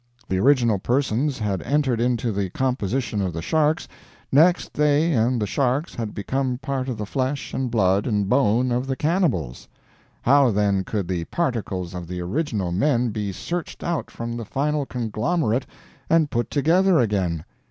The original persons had entered into the composition of the sharks; next, they and the sharks had become part of the flesh and blood and bone of the cannibals. How, then, could the particles of the original men be searched out from the final conglomerate and put together again?